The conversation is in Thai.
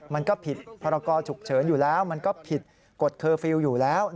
มันก็ผิดพรกรฉุกเฉินอยู่แล้วมันก็ผิดกฎเคอร์ฟิลล์อยู่แล้ว